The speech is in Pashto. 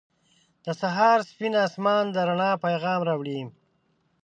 • د سهار سپین آسمان د رڼا پیغام راوړي.